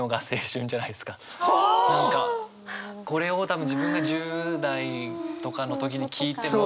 これを多分自分が１０代とかの時に聞いても。